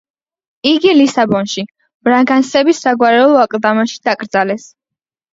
იგი ლისაბონში, ბრაგანსების საგვარეულო აკლდამაში დაკრძალეს.